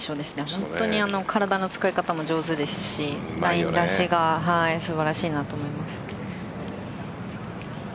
本当に体の使い方も上手ですしライン出しが素晴らしいなと思います。